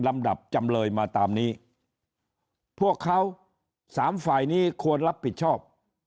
ลำดับจำเลยมาตามนี้พวกเขาสามฝ่ายนี้ควรรับผิดชอบ